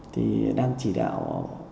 thì đang chỉ đạo